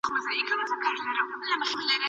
کله چې لمر سره راونغاړل شي